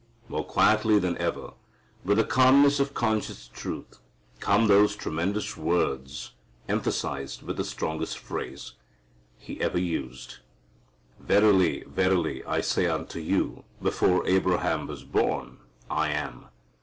More quietly than ever, with the calmness of conscious truth, come those tremendous words, emphasized with the strongest phrase He ever used, "Verily, verily, I say unto you, before Abraham was born, I am."